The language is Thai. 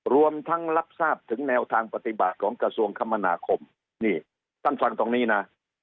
รวมทั้งรับทราบถึงแนวทางปฏิบัติของกระทรวงคมนาคมนี่ท่านฟังตรงนี้นะ